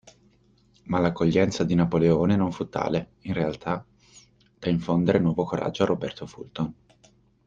Ma l'accoglienza di Napoleone non fu tale, in realtà, da infondere nuovo coraggio a Roberto Fulton.